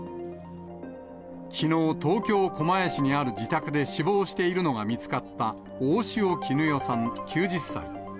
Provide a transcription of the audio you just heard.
きのう、東京・狛江市にある自宅で死亡しているのが見つかった大塩衣与さん９０歳。